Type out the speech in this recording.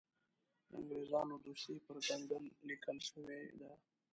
د انګرېزانو دوستي پر کنګل لیکل شوې ده.